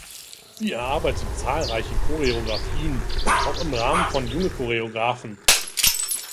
Sie erarbeitete zahlreiche Choreographien, auch im Rahmen von "Junge Choreographen".